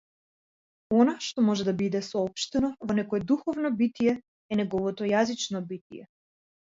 Она што може да биде соопштено во некое духовно битие е неговото јазично битие.